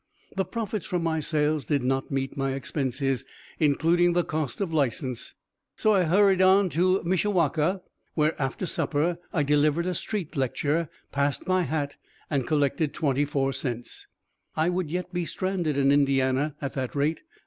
The profits from my sales did not meet my expenses, including the cost of license, so I hurried on to Mishawaka, where, after supper I delivered a street lecture, passed my hat and collected 24 cents. I would yet be stranded in Indiana, at that rate.